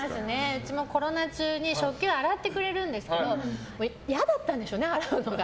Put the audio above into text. うちもコロナ中に食器を洗ってくれるんですけど嫌だったんでしょうね、洗うのが。